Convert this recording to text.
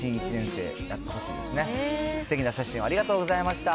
すてきな写真をありがとうございました。